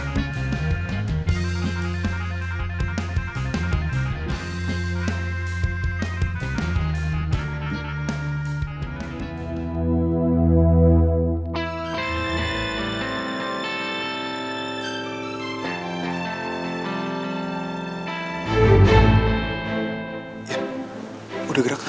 masuk kuliah dulu